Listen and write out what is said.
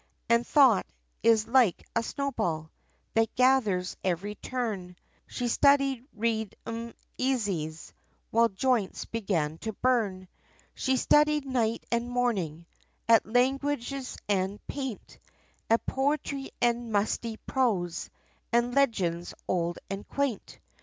And thought, is like a snowball, That gathers every turn; She studied read 'em easys, While joints began to burn. She studied, night and morning, At languages, and paint, At poetry, and musty prose, And legends, old, and quaint.